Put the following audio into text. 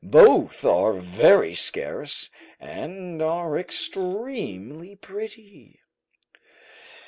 Both are very scarce, and are extremely pretty.